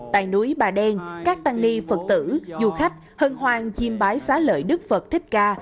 tại núi bà đen các tăng ni phật tử du khách hân hoàng chim bái xá lợi đức phật thích ca